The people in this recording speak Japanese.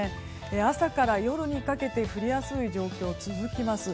朝から夜にかけて降りやすい状況が続きます。